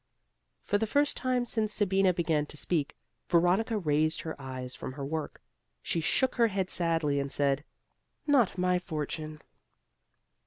For the first time since Sabina began to speak, Veronica raised her eyes from her work. She shook her head sadly and said, "Not my fortune."